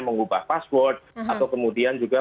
mengubah password atau kemudian juga